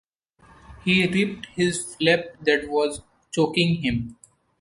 He ripped his flap that was choking him.